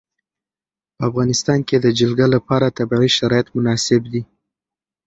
په افغانستان کې د جلګه لپاره طبیعي شرایط مناسب دي.